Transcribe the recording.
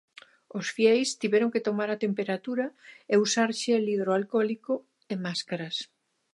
Os fieis tiveron que tomar a temperatura, e usar xel hidroalcólico e máscaras...